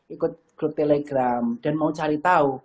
ikut grup telegram dan mau cari tahu